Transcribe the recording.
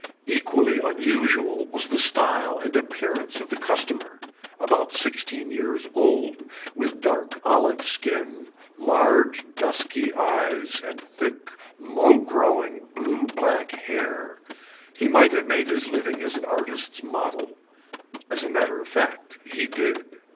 Equally unusual was the style and appearance of the customer; about sixteen years old, with dark olive skin, large dusky eyes, and thick, low growing, blue black hair, he might have made his living as an artist's model. As a matter of fact he did.